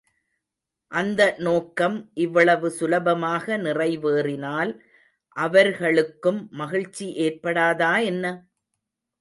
அந்த நோக்கம் இவ்வளவு சுலபமாக நிறைவேறினால் அவர்களுக்கும் மகிழ்ச்சி ஏற்படாதா என்ன?